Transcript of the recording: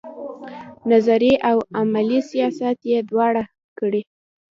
نظري او عملي سیاست یې دواړه کړي.